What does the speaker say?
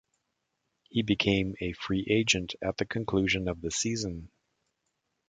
He became a free agent at the conclusion of the season.